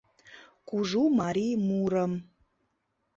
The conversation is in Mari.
— Кужу марий мурым...